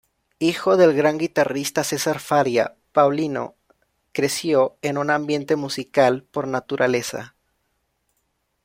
Hijo del gran guitarrista Cesar Faria, Paulinho creció en un ambiente musical por naturaleza.